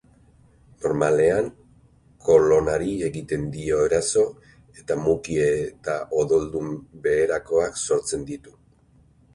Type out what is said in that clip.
Normalean kolonari egiten dio eraso eta muki eta odoldun beherakoak sortzen ditu.